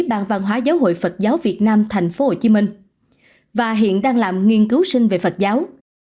ban văn hóa giáo hội phật giáo việt nam tp hcm và hiện đang làm nghiên cứu sinh về phật giáo